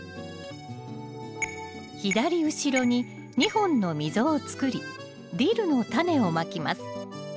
左後ろに２本の溝を作りディルのタネをまきます。